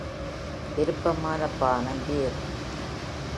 விருப்பமான பானம் பீர்.